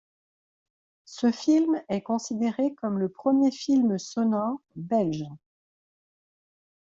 Ce film est considéré comme le premier film sonore belge.